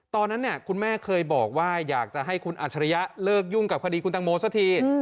ตอนนั้นคุณแม่เคยบอกว่าอยากจะให้คุณอัจฉริยะเลิกยุ่งกับคดีคุณตังโมสักที